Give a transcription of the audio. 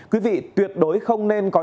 quý vị tuyệt đối không nên có